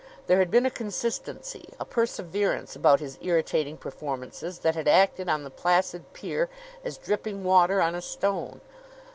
There had been a consistency, a perseverance, about his irritating performances that had acted on the placid peer as dripping water on a stone.